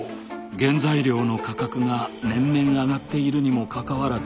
原材料の価格が年々上がっているにもかかわらず